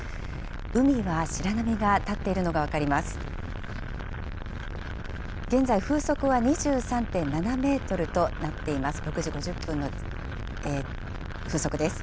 海は白波が立っているのが分かります。